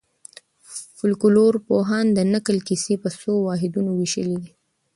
فولکلورپوهانو د نکل کیسې په څو واحدونو وېشلي دي.